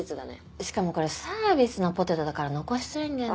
しかもこれサービスのポテトだから残しづらいんだよな。